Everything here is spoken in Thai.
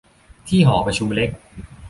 ที่หอประชุมเล็ก